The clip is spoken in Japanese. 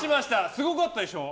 すごかったでしょ。